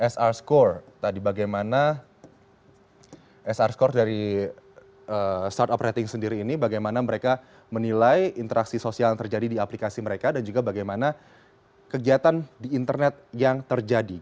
sr score tadi bagaimana sr skor dari startup rating sendiri ini bagaimana mereka menilai interaksi sosial yang terjadi di aplikasi mereka dan juga bagaimana kegiatan di internet yang terjadi